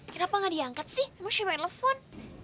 kenapa gak diangkat sih emang cewek telepon